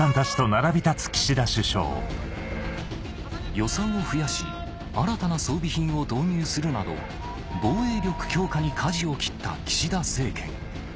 予算を増やし新たな装備品を導入するなど防衛力強化にかじを切った岸田政権